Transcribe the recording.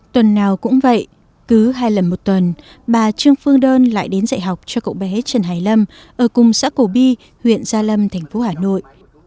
tuần nào cũng vậy cứ hai lần một tuần bà trương phương đơn lại đến dạy học cho cậu bé trần hải lâm ở cùng xã cổ bi huyện gia lâm thành phố hà nội